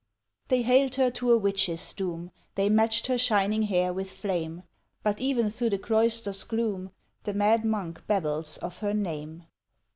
They haled her to a witch's doom, They matched her shining hair with flame But ever through the cloister's gloom The mad monk babbles of her name!